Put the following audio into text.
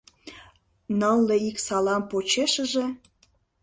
Нылле ик салам почешыже